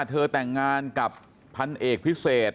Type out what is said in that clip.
เธอแต่งงานกับพันเอกพิเศษ